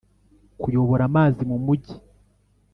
kuyobora amazi mu mujyi.